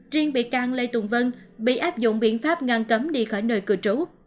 riêng bị can lê tùng vân bị áp dụng biện pháp ngăn cấm đi khỏi nơi cư trú